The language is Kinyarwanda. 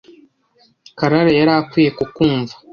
Karara yari akwiye kukwumva.